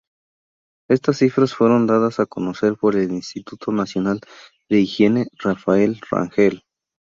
Estas cifras fueron dadas a conocer por el Instituto Nacional de Higiene Rafael Rangel.